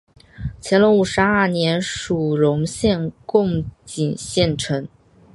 乾隆五十二年署荣县贡井县丞。